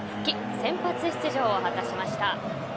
先発出場を果たしました。